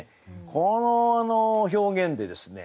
この表現でですね